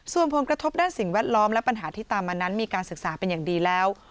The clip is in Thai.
ส่วนผลกระทบด้านสิ่งแวดล้อมและปัญหาที่ตามมานั้นมีการศึกษาเป็นอย่างดีแล้ว